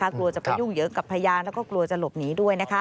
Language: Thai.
กลัวจะไปยุ่งเยอะกับพยานแล้วก็กลัวจะหลบหนีด้วย